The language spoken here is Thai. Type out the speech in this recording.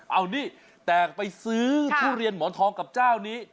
เอานี่แตกไปซื้อทุเรียนหมอนทองกับเจ้านี้